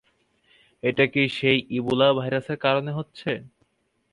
এটা কি সেই ইবোলা ভাইরাসের কারণে হচ্ছে?